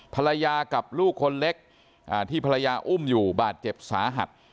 ภรรยากับลูกคนเล็กที่ภรรยาอุ้มอยู่บาดเจ็บสาหัส